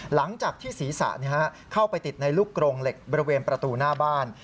หลังจากที่ศีรษะเข้าไปติดในลูกกรงเหล็กบริเวณประตูหน้าบ้าน